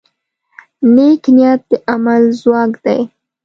نیک نیت د عمل ځواک دی.